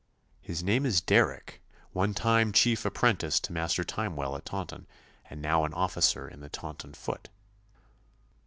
'His name is Derrick, one time chief apprentice to Master Timewell at Taunton, and now an officer in the Taunton foot.